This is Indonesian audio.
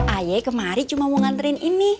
aye kemarin cuma mau nganterin ini